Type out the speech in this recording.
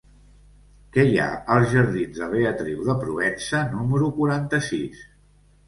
Què hi ha als jardins de Beatriu de Provença número quaranta-sis?